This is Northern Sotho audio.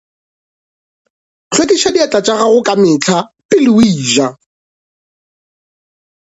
Hlwekiša diatla tša gago ka mehla pele o eja.